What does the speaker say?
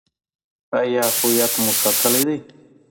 آیا هویت مو ساتلی دی؟